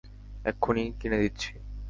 এক্ষুণি কিনে দিচ্ছি।